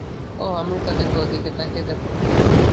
অহ, আমৃতা দেখ, ওদিকে তাকিয়ে দেখ।